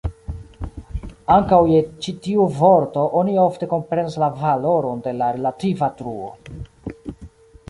Ankaŭ je ĉi tiu vorto oni ofte komprenas valoron de la relativa truo.